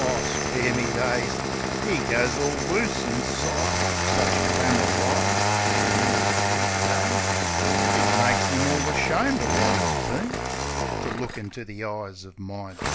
. O, spare me days ! 'E goes all loose inside; such glamor lies In 'er sweet gaze. It makes 'im all ashamed uv wot 'e's been To look inter the eyes of my Doreen.